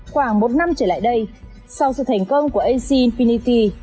khoảng một năm trở lại đây sau sự thành công của ac phinity